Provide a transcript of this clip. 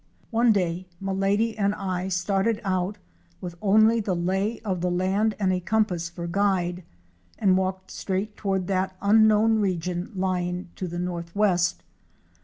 One day Milady and I started out with only the lay of the land and a compass for guide and walked straight toward that unknown region lying to the northwest.